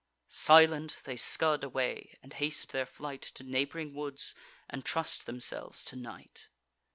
Silent they scud away, and haste their flight To neighb'ring woods, and trust themselves to night.